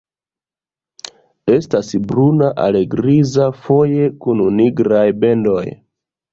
Estas bruna al griza, foje kun nigraj bendoj.